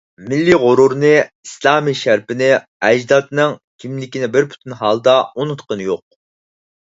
مىللىي غورۇرىنى، ئىسلامىي شەرىپىنى، ئەجدادىنىڭ كىملىكىنى بىر پۈتۈن ھالدا ئۇنۇتقىنى يوق.